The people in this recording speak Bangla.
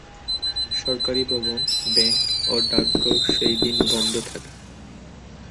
সরকারী ভবন, ব্যাংক ও ডাকঘর সেই দিন বন্ধ থাকে।